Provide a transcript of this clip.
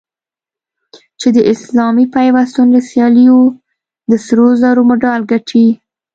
چې د اسلامي پیوستون له سیالیو د سرو زرو مډال ګټي